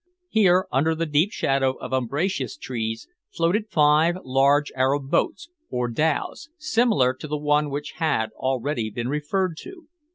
Here, under the deep shadow of umbrageous trees, floated five large Arab boats, or dhows, similar to the one which has been already referred to.